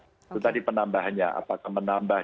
itu tadi penambahannya apakah menambah